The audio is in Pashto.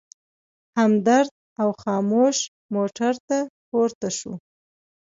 همدرد او خاموش موټر ته پورته شوو.